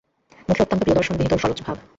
মুখে অত্যন্ত প্রিয়দর্শন বিনীত সলজ্জ ভাব।